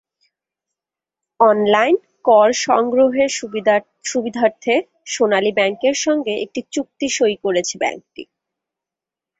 Online কর সংগ্রহের সুবিধার্থে সোনালী ব্যাংকের সঙ্গে একটি চুক্তি সই করেছে ব্যাংকটি।